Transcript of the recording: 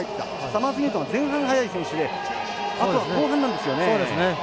サマーズニュートンは前半速い選手であとは後半ですね。